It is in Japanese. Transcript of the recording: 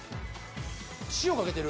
塩かけてる？